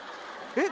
えっ？